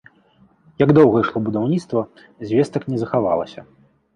Як доўга ішло будаўніцтва, звестак не захавалася.